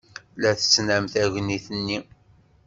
La tettnam tagnit-nni.